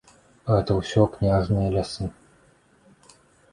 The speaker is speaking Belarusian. Гэта ўсё княжыя лясы.